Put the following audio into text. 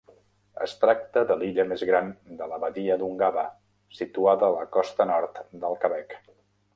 Es tracta de l'illa més gran de la badia d'Ungava, situada a la costa nord del Quebec.